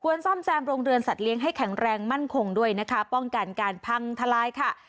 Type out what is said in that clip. ซ่อมแซมโรงเรือนสัตว์เลี้ยงให้แข็งแรงมั่นคงด้วยนะคะป้องกันการพังทลายค่ะ